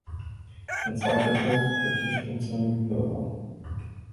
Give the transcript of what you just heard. Der zweite Punkt betrifft unsere Mitbürger.